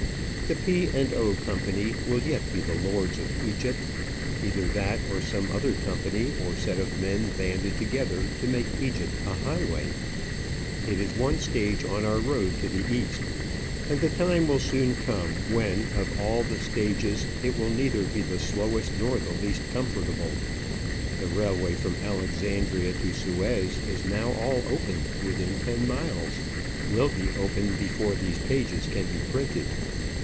The P. and O. Company will yet be the lords of Egypt; either that or some other company or set of men banded together to make Egypt a highway. It is one stage on our road to the East; and the time will soon come when of all the stages it will neither be the slowest nor the least comfortable. The railway from Alexandria to Suez is now all opened within ten miles; will be all opened before these pages can be printed.